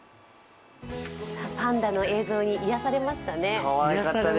パンダの映像に癒やされましたね。